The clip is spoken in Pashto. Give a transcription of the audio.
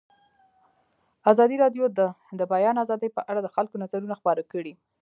ازادي راډیو د د بیان آزادي په اړه د خلکو نظرونه خپاره کړي.